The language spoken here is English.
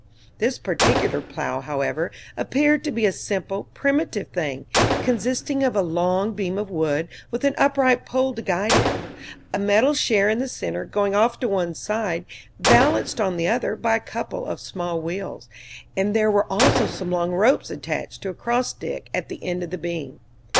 This particular plow, however, appeared to be a simple, primitive thing, consisting of a long beam of wood, with an upright pole to guide it; a metal share in the center, going off to one side, balanced on the other by a couple of small wheels; and there were also some long ropes attached to a cross stick at the end of the beam.